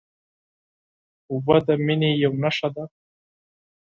اوبه د مینې یوه نښه ده.